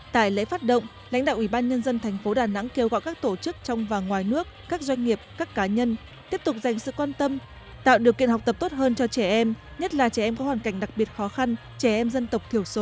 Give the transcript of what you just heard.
tại lễ phát động lãnh đạo ủy ban nhân dân thành phố đà nẵng kêu gọi các tổ chức trong và ngoài nước các doanh nghiệp các cá nhân tiếp tục dành sự quan tâm tạo điều kiện học tập tốt hơn cho trẻ em nhất là trẻ em có hoàn cảnh đặc biệt khó khăn trẻ em dân tộc thiểu số